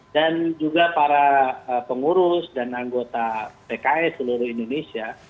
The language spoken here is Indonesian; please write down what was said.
dan juga para pengurus dan anggota pks seluruh indonesia